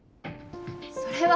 それは。